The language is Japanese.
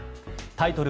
タイトル